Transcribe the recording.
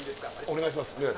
お願いします